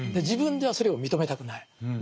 自分ではそれを認めたくない。